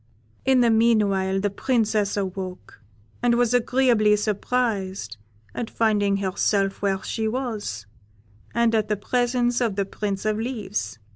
In the meanwhile the Princess awoke, and was agreeably surprised at finding herself where she was, and at the presence of the Prince of Leaves.